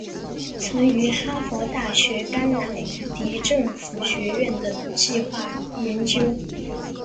曾于哈佛大学甘乃迪政府学院等计画研究。